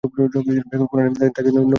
কোরআনে তাঁকে নবী হিসাবে উল্লেখ করা হয়েছে।